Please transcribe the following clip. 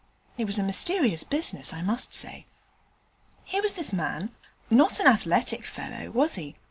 It was a mysterious business, I must say. Here was this man not an athletic fellow, was he?